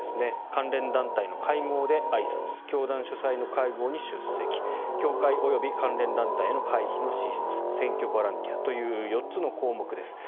関連団体の会合であいさつ教団主催の会合に出席教会及び関連団体への会費の支出選挙ボランティアという４つの項目です。